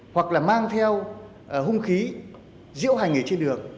hoặc là mang theo hung khí diễu hành ở trên đường